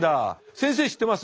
先生知ってます？